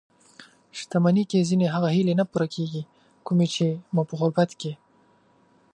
شتمني کې ځينې هغه هیلې نه پوره کېږي؛ کومې چې مو په غربت کې